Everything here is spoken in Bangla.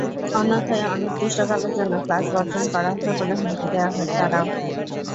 অন্যথায় অনির্দিষ্টকালের জন্য ক্লাস বর্জন করা হবে বলে হুমকি দেয় তারা।